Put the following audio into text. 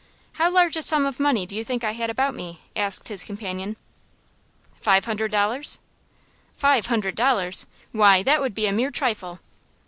"How large a sum of money do you think I had about me?" asked his companion. "Five hundred dollars?" "Five hundred dollars! Why, that would be a mere trifle."